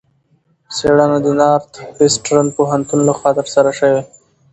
څېړنه د نارت وېسټرن پوهنتون لخوا ترسره شوې.